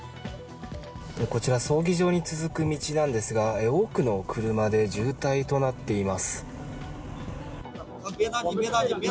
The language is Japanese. こちら葬儀場に続く道なんですが、多くの車で渋滞となっています。